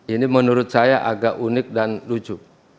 ini menurut saya agak unik dan lucu